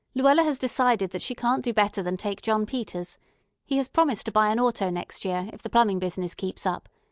Luella has decided that she can't do better than take John Peters. He has promised to buy an auto next year, if the plumbing business keeps up.